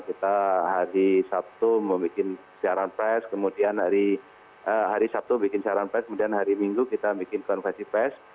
kita hari sabtu membuat siaran press kemudian hari sabtu membuat siaran press kemudian hari minggu kita membuat konversi press